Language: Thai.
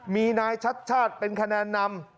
มีนายชัดชาติเป็นคะแนนนำ